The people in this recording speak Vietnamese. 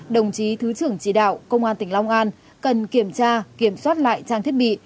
đồng chí thứ trưởng chỉ đạo công an tỉnh long an cần kiểm tra kiểm soát lại trang thiết bị